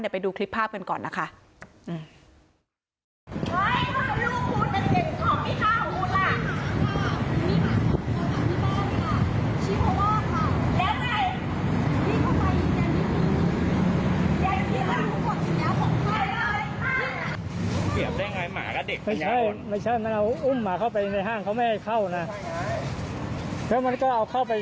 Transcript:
เดี๋ยวไปดูคลิปภาพกันก่อนนะคะ